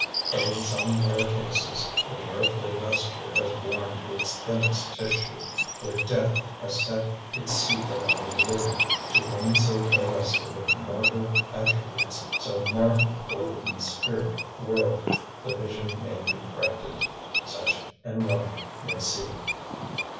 But in some rare cases where the earthly vesture has worn to its thinnest tissue where death has set its seal upon the living, to one so divested of mortal attributes, so marked for the spirit world, the vision may be granted. Such an one may see."